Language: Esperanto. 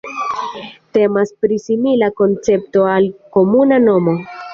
Temas pri simila koncepto al komuna nomo.